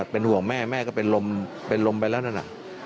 เป็นห่วงแม่แม่ก็เป็นลมไปแล้วนะ